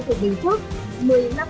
tổng tổng thống bình thuốc